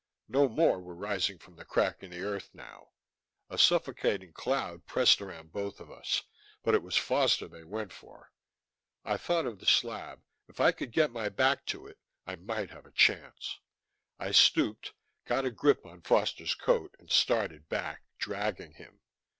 No more were rising from the crack in the earth now. A suffocating cloud pressed around both of us, but it was Foster they went for. I thought of the slab; if I could get my back to it, I might have a chance. I stooped, got a grip on Foster's coat, and started back, dragging him.